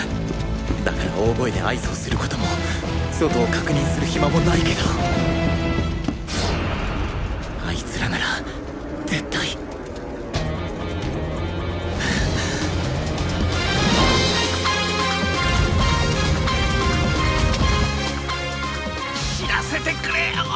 だから大声で合図をするコトも外を確認するヒマもないけどアイツらなら絶対死なせてくれよ。